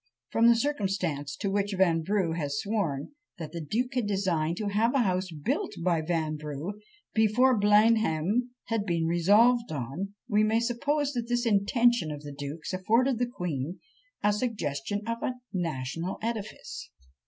From the circumstance to which Vanbrugh has sworn, that the duke had designed to have a house built by Vanbrugh, before Blenheim had been resolved on, we may suppose that this intention of the duke's afforded the queen a suggestion of a national edifice.